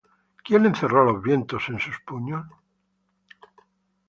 ¿Quién encerró los vientos en sus puños?